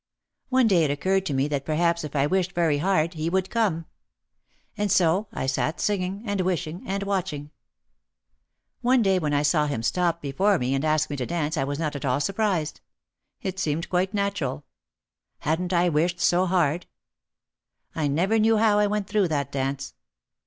One day it occurred to me that perhaps if I wished very hard he would come. And so I sat singing, and wishing, and watching. One day when I saw him stop before me and ask me to dance I was not at all surprised. It seemed quite natural. Hadn't I wished so hard ! I never knew how I went through that dance.